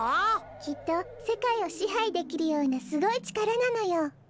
きっとせかいをしはいできるようなすごいちからなのよ！